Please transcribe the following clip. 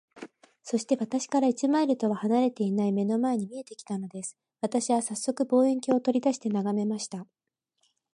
そして、私から一マイルとは離れていない眼の前に見えて来たのです。私はさっそく、望遠鏡を取り出して眺めました。